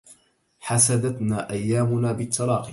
حسدتنا أيامنا بالتلاقي